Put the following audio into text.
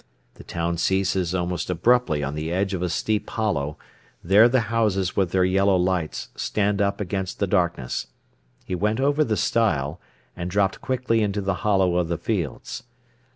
The town ceases almost abruptly on the edge of a steep hollow; there the houses with their yellow lights stand up against the darkness. He went over the stile, and dropped quickly into the hollow of the fields.